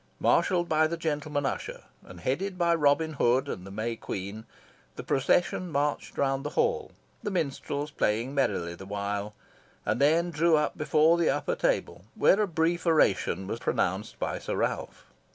Marshalled by the gentleman usher, and headed by Robin Hood and the May Queen, the procession marched round the hall, the minstrels playing merrily the while, and then drew up before the upper table, where a brief oration was pronounced by Sir Ralph.